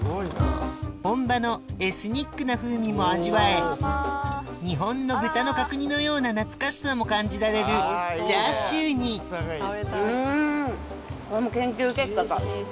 本場のエスニックな風味も味わえ日本の豚の角煮のような懐かしさも感じられるチャーシューにうんこれも研究結果だ。